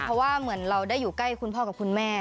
เพราะว่าเหมือนเราได้อยู่ใกล้คุณพ่อกับคุณแม่